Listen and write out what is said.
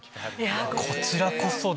こちらこそです。